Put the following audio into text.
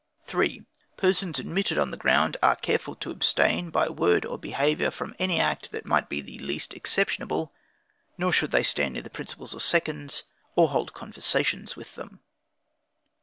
3. Persons admitted on the ground, are carefully to abstain by word or behavior, from any act that might be the least exceptionable; nor should they stand near the principals or seconds, or hold conversations with them.